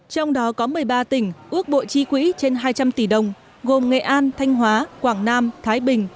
trong đó có một mươi ba tỉnh ước bộ chi quỹ trên hai trăm linh tỷ đồng gồm nghệ an thanh hóa quảng nam thái bình